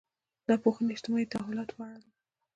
دا پوهنې اجتماعي تحولاتو په اړه دي.